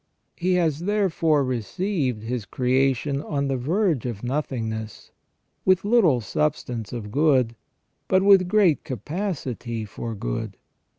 He has therefore received his creation on the verge of nothingness, with little substance of good, but with great capacity for good.